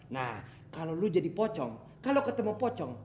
nah kalo lu jadi pocong kalo ketemu pocong